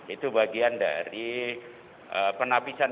itu bagian dari penapisan